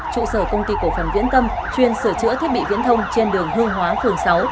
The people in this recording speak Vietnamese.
trụ sở công ty cổ phần viễn tâm chuyên sửa chữa thiết bị viễn thông trên đường hương hóa phường sáu